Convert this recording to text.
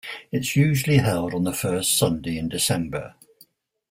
It is usually held on the first Sunday in December.